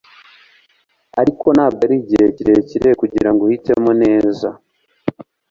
Ariko ntabwo arigihe kirekire kugirango uhitemo neza.